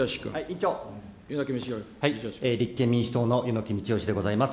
立憲民主党の柚木道義でございます。